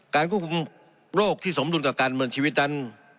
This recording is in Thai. ควบคุมโรคที่สมดุลกับการเมืองชีวิตนั้น